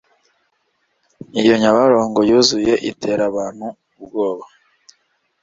Iyo nyabarongo yuzuye itera abantu ubwoba